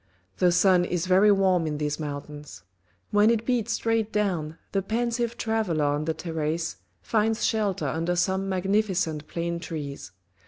The sun is very warm in these mountains. When it beats straight down, the pensive traveller on the terrace finds shelter under some magnificent plane trees.